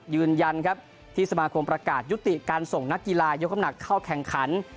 ยืนยันครับที่สมาคมประกาศยุติการส่งนักกีฬายกน้ำหนักเข้าแข่งขัน